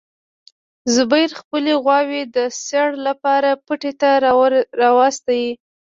زبیر خپلې غواوې د څړ لپاره پټي ته راوستې.